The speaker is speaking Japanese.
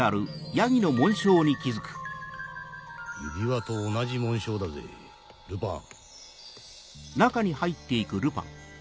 指輪と同じ紋章だぜルパン。